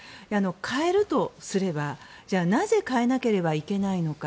変えるとすればじゃあ、なぜ変えなきゃいけないのか。